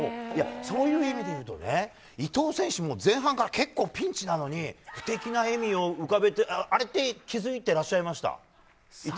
そういう意味で言うと伊藤選手も前半から結構ピンチなのに不敵な笑みを浮かべてあれって気づいてらっしゃいました？